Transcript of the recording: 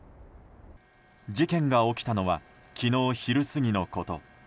事件が起きたのは昨日昼過ぎのこと。